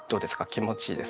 気持ちいいです？